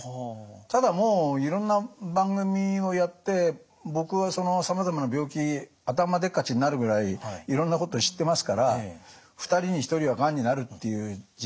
ただもういろんな番組をやって僕はさまざまな病気頭でっかちになるぐらいいろんなこと知ってますから２人に１人はがんになるっていう時代ですしね。